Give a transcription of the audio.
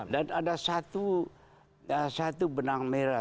dan ada satu benang merah